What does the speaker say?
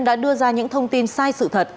đã đưa ra những thông tin sai sự thật